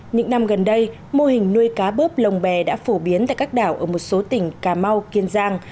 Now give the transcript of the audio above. những năm gần đây mô hình nuôi cá bớp lồng bè đã phổ biến tại các đảo ở một số tỉnh cà mau kiên giang